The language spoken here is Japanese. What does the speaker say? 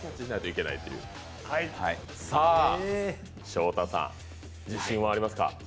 しょうたさん、自信はありますか？